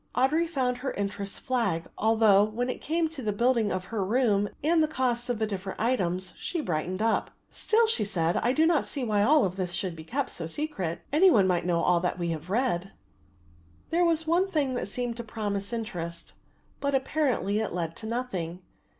Audry found her interest flag; although, when it came to the building of her room and the cost of the different items, she brightened up. "Still," she said, "I do not see why all this should be kept so secret; any one might know all that we have read." There was one thing that seemed to promise interest, but apparently it led to nothing.